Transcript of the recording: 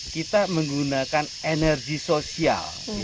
kita menggunakan energi sosial